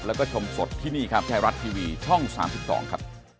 แล้วก็ชมสดที่นี่ครับไทยรัฐทีวีช่อง๓๒ครับ